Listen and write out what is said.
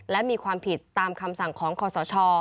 และมีความผิดตามคำสั่งของคอสช